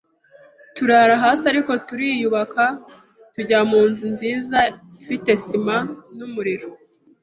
turara hasi ariko turiyubaka tujya mu nzu nziza ifite sima n’umuriro